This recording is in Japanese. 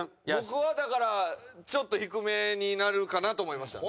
僕はだからちょっと低めになるかなと思いました。